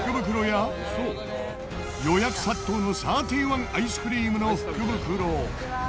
予約殺到のサーティワンアイスクリームの福袋を。